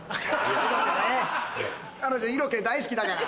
彼女色気大好きだから。